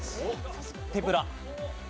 手ぶら。